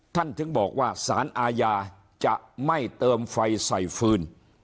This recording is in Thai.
ถึงบอกว่าสารอาญาจะไม่เติมไฟใส่ฟืน